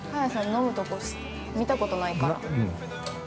飲むとこ見たことないから。